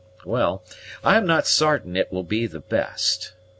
Well, well, I am not sartain it will not be the best.